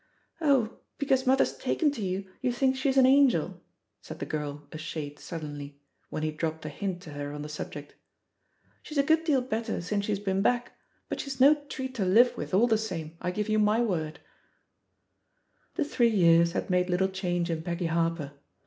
\ "Oh, because mother's taken to you, you think she's an angel," said the girl a shade sullenly, when he dropped a hint to her on the subject. "She's a good deal better since she's been back, but she's no treat to live with, all the same, I give you my word I" The three years had made little change in Peggy Harper.